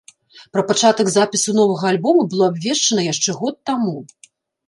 Пра пачатак запісу новага альбома было абвешчана яшчэ год таму.